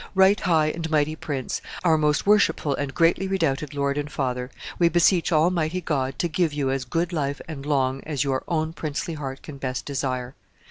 "Right high and mighty prince, our most worshipful and greatly redoubted lord and father, we beseech Almighty God to give you as good life and long as your own princely heart can best desire.